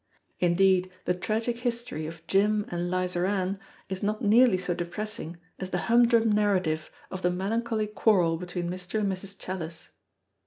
Indeed, the tragic history of Jim and Lizarann is not nearly so depressing as the humdrum narrative of the melancholy quarrel between Mr. and Mrs. Challis.